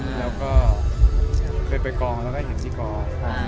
แล้วก็เคยไปกองแล้วก็ได้เห็นพี่กอง